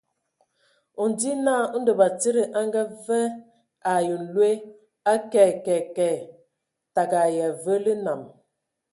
O ndzi naa ndɔ batsidi a ngavaɛ ai loe a kɛɛ kɛé kɛɛ, tǝgǝ ai avǝǝ lǝ nam.